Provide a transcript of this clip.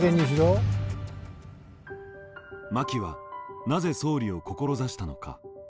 真木はなぜ総理を志したのか。